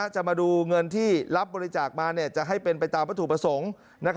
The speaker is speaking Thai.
จะมาดูเงินที่รับบริจาคมาจะให้เป็นไปตามวัตถุประสงค์